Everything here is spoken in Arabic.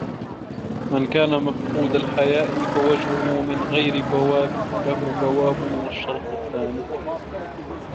مَنْ كَانَ مَفْقُودَ الْحَيَاءِ فَوَجْهُهُ مِنْ غَيْرِ بَوَّابٍ لَهُ بَوَّابُ وَالشَّرْطُ الثَّانِي